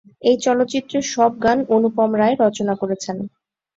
এই চলচ্চিত্রের সব গান অনুপম রায় রচনা করেছেন।